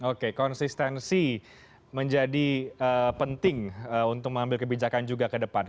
oke konsistensi menjadi penting untuk mengambil kebijakan juga ke depan